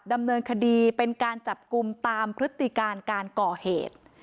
ดำเนินคดีเป็นการจับกลุ่มตามพฤติการการก่อเหตุ